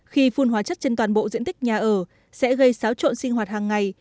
khi phun hóa chất trên toàn bộ diện tích nhà ở sẽ gây xáo trộn sinh hoạt hàng ngày